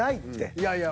いやいや。